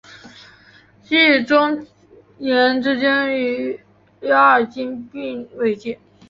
西与中延之间以第二京滨为界。